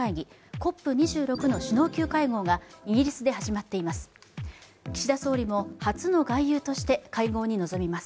ＣＯＰ２６の首脳級会合がイギリスで始まっています。